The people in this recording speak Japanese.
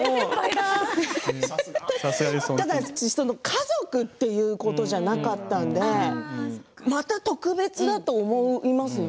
ただ家族ということじゃなかったのでまた特別だと思いますよね。